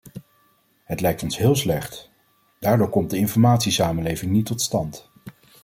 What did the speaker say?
Het lijkt ons heel slecht, daardoor komt de informatiesamenleving niet tot stand.